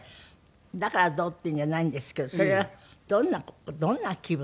だからどうっていうんじゃないんですけどそれはどんなどんな気分ですかね？